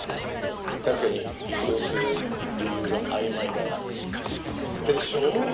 確かに移送する理由が曖昧だな。でしょう？